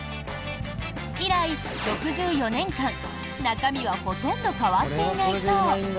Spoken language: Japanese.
以来６４年間、中身はほとんど変わっていないそう。